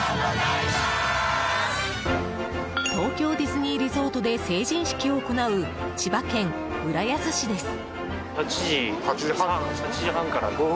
東京ディズニーリゾートで成人式を行う千葉県浦安市です。